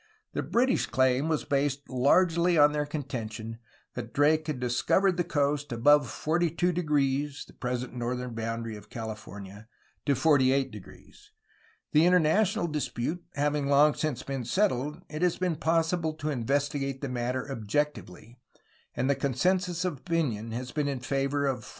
The British claim was based largely on their contention that Drake had discovered the coast above 42° (the present northern boundary of California) to 48°. The international dispute having long since been settled, it has been possible to investigate the matter objectively, and the consensus of opinion has been in favor of 42°.